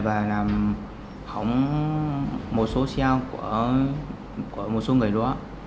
và không một số xe của một số người đó